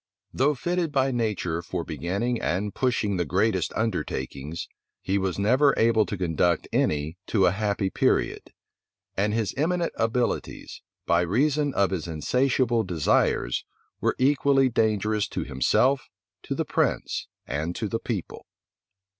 Though fitted by nature for beginning and pushing the greatest undertakings, he was never able to conduct any to a happy period; and his eminent abilities, by reason of his insatiable desires, were equally dangerous to himself, to the prince, and to the people.